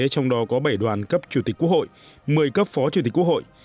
trong đó có bảy đoàn cấp chủ tịch quốc hội một mươi cấp phó chủ tịch quốc hội